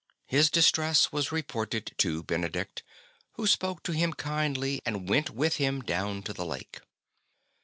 His distress was reported to Benedict, who spoke to him kindly and went with him down to the lake.